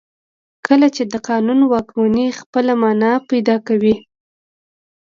کله چې د قانون واکمني خپله معنا پیدا کوي.